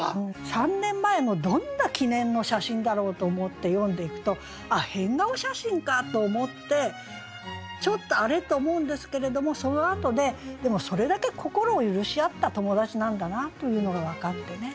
三年前のどんな記念の写真だろうと思って読んでいくとあっ変顔写真かと思ってちょっと「あれ？」と思うんですけれどもそのあとででもそれだけ心を許し合った友達なんだなというのが分かってね。